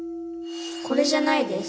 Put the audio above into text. これじゃないです。